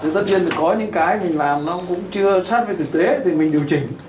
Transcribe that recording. tất nhiên có những cái mình làm nó cũng chưa sát với thực tế thì mình điều chỉnh